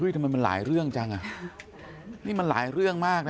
ทำไมมันหลายเรื่องจังอ่ะนี่มันหลายเรื่องมากนะ